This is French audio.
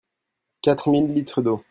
Quatre mille litres d'eau.